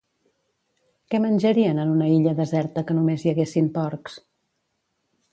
Que menjarien en una illa deserta que només hi haguessin porcs?